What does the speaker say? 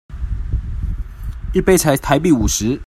一杯才台幣五十